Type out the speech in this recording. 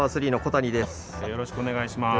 よろしくお願いします。